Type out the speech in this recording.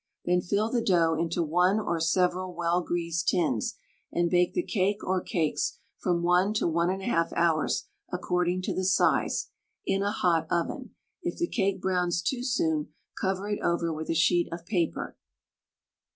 Then fill the dough into one or several well greased tins, and bake the cake or cakes from 1 to 1 1/2 hours (according to the size) in a hot oven. If the cake browns too soon, cover it over with a sheet of paper.